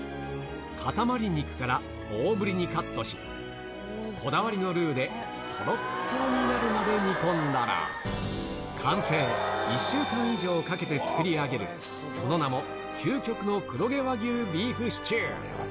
塊肉から大ぶりにカットし、こだわりのルーでとろっとろになるまで煮込んだら、完成、１週間以上かけて作り上げる、その名も、究極の黒毛和牛ビーフシチュー。